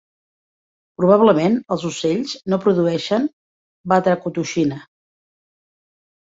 Probablement, els ocells no produeixen batracotoxina.